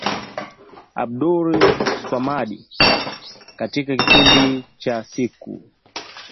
Abdul Swamadi katika kipindi cha siku